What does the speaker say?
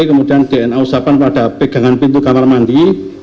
kemudian dna usapan pada pegangan pintu kamar mandi